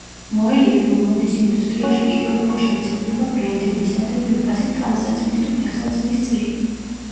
მოელიან, რომ მოდის ინდუსტრიაში კიდევ უფრო შემცირდება ბრენდებისა და ძვირფასი ტანსაცმლის, თუ ფეხსაცმლის წილი.